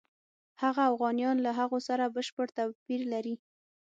هغه اوغانیان له هغو سره بشپړ توپیر لري.